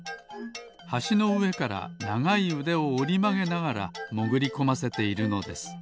はしのうえからながいうでをおりまげながらもぐりこませているのです。